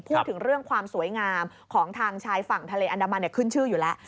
พูดถึงเรื่องความสวยงามของทางชายฝั่งทะเลอันดามันขึ้นชื่ออยู่แล้ว